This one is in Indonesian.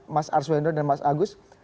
mas arswendo dan mas agus